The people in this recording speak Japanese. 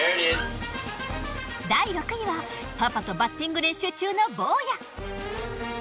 第６位はパパとバッティング練習中の坊や。